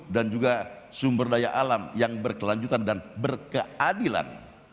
dan juga sumber daya alam yang berkelanjutan dan berkeadilan